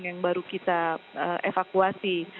yang baru kita evakuasi